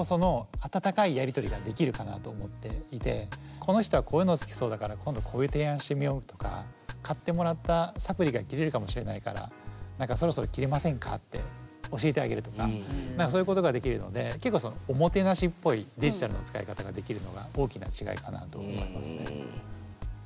この人はこういうの好きそうだから今度こういう提案してみようとか買ってもらったサプリが切れるかもしれないからそろそろ切れませんかって教えてあげるとかそういうことができるので結構そのおもてなしっぽいデジタルの使い方ができるのが大きな違いかなと思いますね。